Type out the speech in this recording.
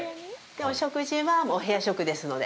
お食事は、お部屋食ですので。